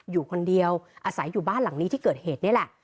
อยู่คนเดียวอาศัยอยู่บ้านหลังนี้ที่เกิดเหตุนี่แหละ